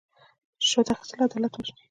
رشوت اخیستل عدالت وژني.